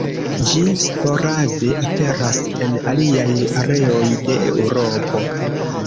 Ĝi sporade aperas en aliaj areoj de Eŭropo.